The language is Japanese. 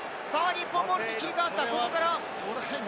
日本ボールに切り替わった。